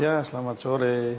ya selamat sore